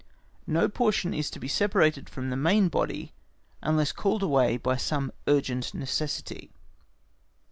—No portion is to be separated from the main body unless called away by some urgent necessity.